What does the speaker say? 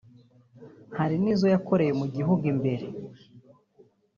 Hari n’izo yakoreye mu gihugu imbere